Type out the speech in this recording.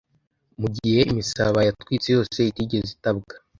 mugihe imisaraba yatwitswe yose itigeze itabwa